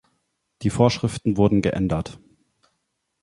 Die Vorschriften wurden geändert.